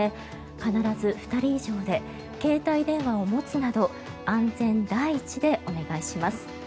必ず２人以上で携帯電話を持つなど安全第一でお願いします。